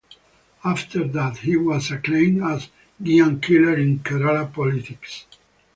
After that he was acclaimed as giant killer in Kerala politics.